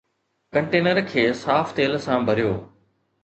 Container کي صاف تيل سان ڀريو.